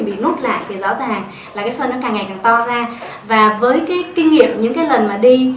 bị nốt lại thì rõ ràng là cái xuân nó càng ngày càng to ra và với cái kinh nghiệm những cái lần mà đi